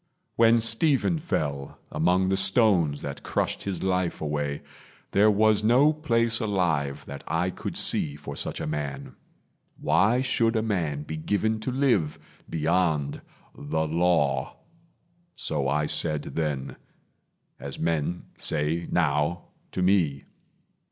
When Stephen fell, Among the stones that crushed his life away, There was no place alive that I could see For such a man. Why should a man be given To live beyond the Law? So I said then, As men say now to me.